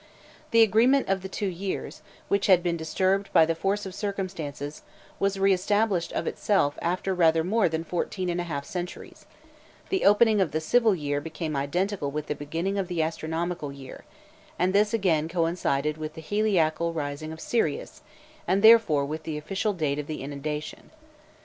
The agreement of the two years, which had been disturbed by the force of circumstances, was re established of itself after rather more than fourteen and a half centuries: the opening of the civil year became identical with the beginning of the astronomical year, and this again coincided with the heliacal rising of Sirius, and therefore with the official date of the inundation.